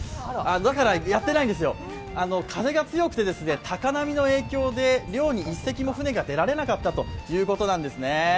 だからやってないんですよ、風が強くて、高波の影響で、漁に１隻も船が出られなかったということなんですね。